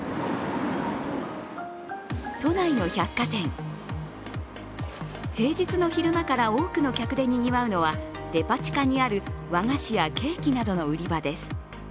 都内の百貨店、平日の昼間から多くの客でにぎわうのはデパ地下にある和菓子やケーキなどの売り場です。